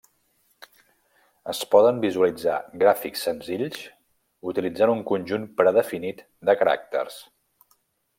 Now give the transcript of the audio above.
Es poden visualitzar gràfics senzills utilitzant un conjunt predefinit de caràcters.